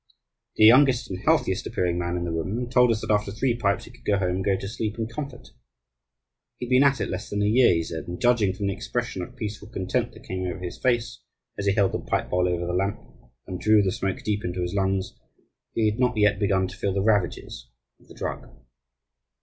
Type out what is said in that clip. The youngest and healthiest appearing man in the room told us that after three pipes he could go home and go to sleep in comfort. He had been at it less than a year, he said; and, judging from the expression of peaceful content that came over his face as he held the pipe bowl over the lamp and drew the smoke deep into his lungs, he had not yet begun to feel the ravages of the drug.